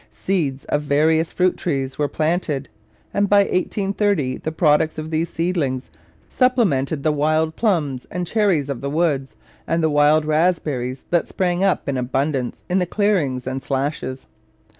Seeds of various fruit trees were planted, and by 1830 the products of these seedlings supplemented the wild plums and cherries of the woods and the wild raspberries that sprang up in abundance in the clearings and slashes.